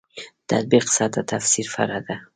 تطبیق سطح تفسیر فرع ده.